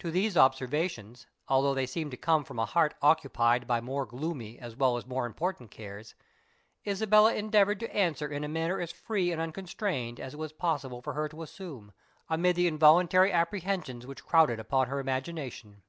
To these observations, although they seemed to come from a heart occupied by more gloomy as well as more important cares, Isabella endeavoured to answer in a manner as free and unconstrained as it was possible for her to assume, amid the involuntary apprehensions which crowded upon her imagination.